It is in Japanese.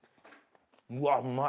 うわうまい。